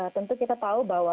tentu kita tahu bahwa